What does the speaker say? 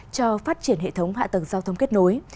cho phát triển hệ thống hạ tầng giao thông kết nối